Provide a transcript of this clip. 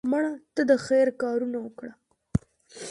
مړه ته د خیر کارونه وکړه